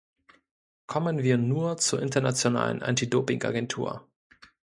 Kommen wir nur zur Internationalen Antidoping-Agentur.